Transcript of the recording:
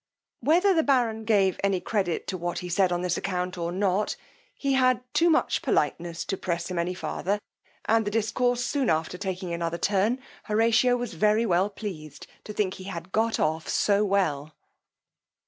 Whether the baron gave any credit to what he said on this account or not, he had too much politeness to press him any farther; and the discourse soon after taking another turn, Horatio was very well pleased to think he had got off so well.